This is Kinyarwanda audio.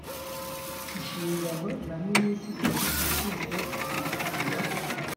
nshingano na minisitiri ushinzwe ubucukuzi bwa